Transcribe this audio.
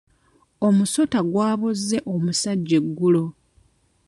Omusota gwabozze omusajja eggulo.